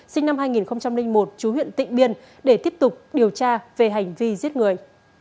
sinh năm hai nghìn một chú huyện tịnh biên để tiếp tục điều tra về hành vi giết người